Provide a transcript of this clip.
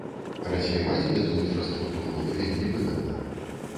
Развіваць гэту інфраструктуру вельмі выгадна.